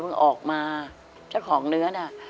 ก็เพิ่งออกมาเจ้าของเนื้อน่ะ